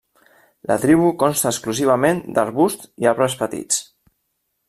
La tribu consta exclusivament d'arbusts i arbres petits.